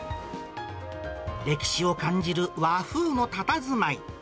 歴史を感じる和風のたたずまい。